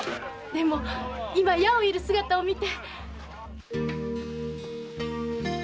でも今矢を射る姿を見て。